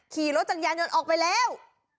ขี่รถจักรยานยนต์ออกไปแล้ว